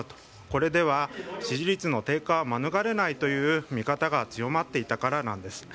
これでは支持率の低下は免れないという見方が強まっていたからなんです。